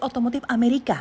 tapi tidak bisa